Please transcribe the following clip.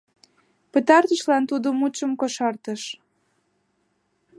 — пытартышлан тудо мутшым кошартыш.